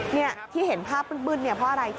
นี่ที่เห็นภาพบึ้นเนี่ยเพราะอะไร